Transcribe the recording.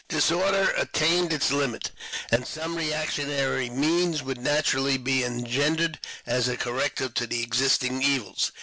Disorder attained its limit, and some reactionary means would naturally be engendered as a corrective to the existing evils.